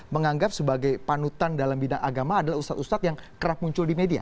menganggap sebagai panutan dalam bidang agama adalah ustadz ustadz yang kerap muncul di media